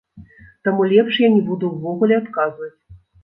Таму лепш я не буду ўвогуле адказваць.